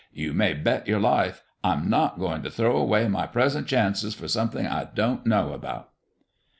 You may bet your life I'm not going to throw away my present chances for something I don't know about."